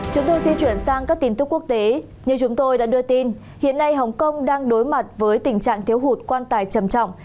chúng tôi di chuyển sang các tin tức quốc tế như chúng tôi đã đưa tin hiện nay hồng kông đang đối mặt với tình trạng thiếu hụt quan tài trầm trọng